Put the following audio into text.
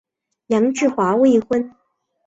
梁质华未婚。